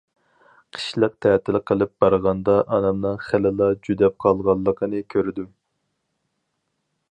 قىشلىق تەتىل قىلىپ بارغاندا ئانامنىڭ خېلىلا جۈدەپ قالغانلىقىنى كۆردۈم.